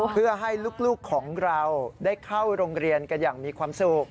เพื่อให้ลูกของเราได้เข้าโรงเรียนกันอย่างมีความสุข